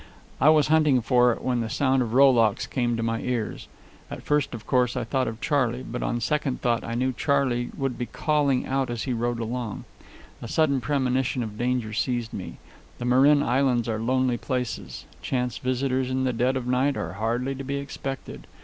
I was hunting for it when the sound of rowlocks came to my ears. At first, of course, I thought of Charley; but on second thought I knew Charley would be calling out as he rowed along. A sudden premonition of danger seized me. The Marin Islands are lonely places; chance visitors in the dead of night are hardly to be expected.